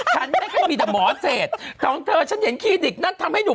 ฉันไม่ค่อยมีแต่หมอเศษของเธอฉันเห็นคลินิกนั้นทำให้หนุ่ม